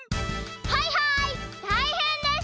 はいはいたいへんです！